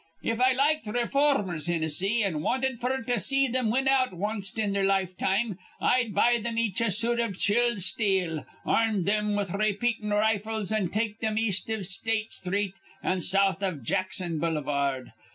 If I liked rayformers, Hinnissy, an' wanted f'r to see thim win out wanst in their lifetime, I'd buy thim each a suit iv chilled steel, ar rm thim with raypeatin' rifles, an' take thim east iv State Sthreet an' south iv Jackson Bullyvard.